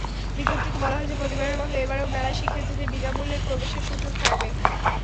বিজ্ঞপ্তিতে বলা হয়েছে, প্রতিবারের মতো এবারেও মেলায় শিক্ষার্থীদের বিনা মূল্যে প্রবেশের সুযোগ থাকবে।